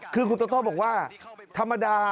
คือคุณต้นโต้บอกว่า